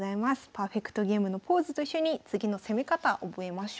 パーフェクトゲームのポーズと一緒に次の攻め方覚えましょう。